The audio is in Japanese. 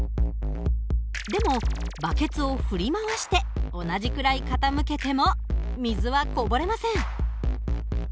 でもバケツを振り回して同じくらい傾けても水はこぼれません。